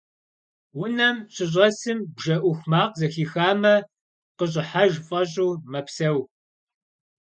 Унэм щыщӀэсым, бжэ Ӏух макъ зэхихамэ, къыщӀыхьэж фӀэщӀу мэпсэу.